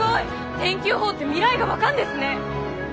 天気予報って未来が分かんですね！